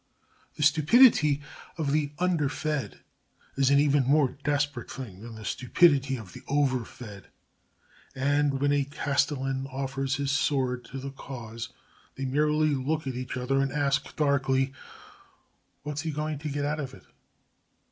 The stupidity of the underfed is an even more desperate thing than the stupidity of the overfed, and, when a castellan offers his sword to their cause, they merely look at each other and ask darkly: "What's he going to get out of it?"